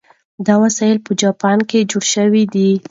دا وسایل په جاپان کې جوړ شوي دي.